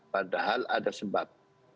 padahal ada sebab